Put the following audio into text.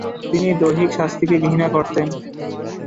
তিনি দৈহিক শাস্তিকে ঘৃণা করতেন।